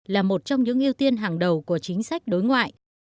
là một trong những ưu tiên hàng đầu của chính sách đối ngoại